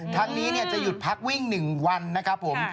ทั้งนี้จะหยุดพักวิ่ง๑วันนะครับผม